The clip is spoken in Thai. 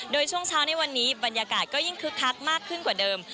โดยช่วงเช้าในวันนี้บรรยากาศก็ยิ่งคึกคักมากขึ้นกว่าเดิม